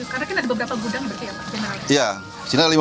sekarang kan ada beberapa gudang berarti ya pak